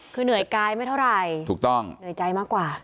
คือเหนื่อยกายไม่เท่าไหร่ถูกต้องเหนื่อยใจมากกว่า